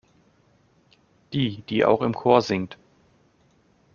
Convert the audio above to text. Die, die auch im Chor singt.